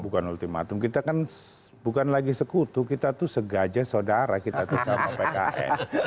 bukan ultimatum kita kan bukan lagi sekutu kita tuh segaja saudara kita tuh sama pks